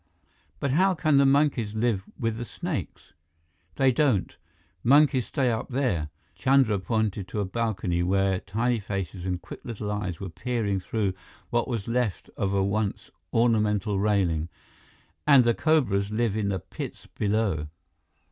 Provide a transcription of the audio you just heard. "But how can the monkeys live with the snakes?" "They don't. Monkeys stay up there" Chandra pointed to a balcony where tiny faces and quick little eyes were peering through what was left of a once ornamental railing "and the cobras live in the pits below."